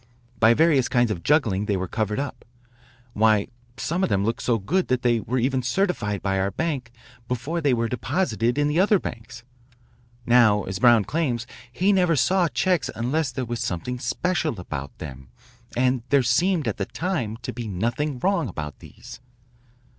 By various kinds of juggling they were covered up. Why, some of them looked so good that they were even certified by our bank before they were deposited in the other banks. Now, as Brown claims, he never saw checks unless there was something special about them and there seemed at the time to be nothing wrong about these.